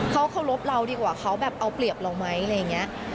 เขาเคารพเราดีกว่าเขาแบบเอาเปรียบเราไหมอะไรอย่างนี้